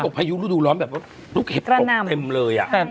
ก็ตกพายุฤดูร้อนแบบลูกเห็บตกเต็มเลยอะ